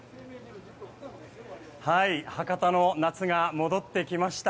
博多の夏が戻ってきました。